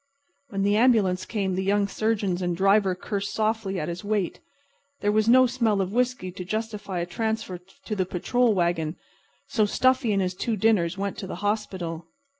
When the ambulance came the young surgeon and the driver cursed softly at his weight. There was no smell of whiskey to justify a transfer to the patrol wagon, so Stuffy and his two dinners went to the hospital.